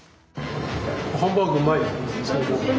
ハンバーグうまいね。